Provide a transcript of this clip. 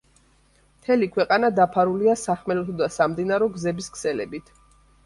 მთელი ქვეყანა დაფარული სახმელეთო და სამდინარო გზების ქსელებით.